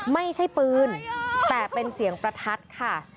ไม่ใช่ปืนแต่เป็นเสียงประทัดค่ะ